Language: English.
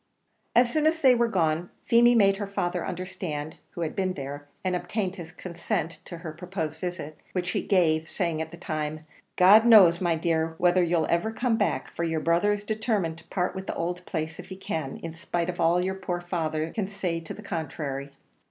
As soon as they were gone, Feemy made her father understand who had been there, and obtained his consent to her proposed visit, which he gave, saying at the time, "God knows, my dear, whether you'll ever come back, for your brother's determined to part with the owld place if he can, in spite of all your poor father can say to the contrary."